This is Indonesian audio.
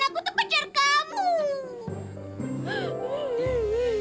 aku tuh pacar kamu